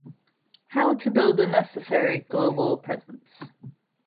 How to build the necessary global presence?